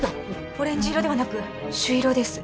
オレンジ色ではなく朱色です